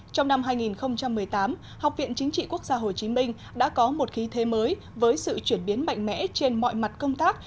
trong năm hai nghìn một mươi tám học viện chính trị quốc gia hồ chí minh đã có một khí thế mới với sự chuyển biến mạnh mẽ trên mọi mặt công tác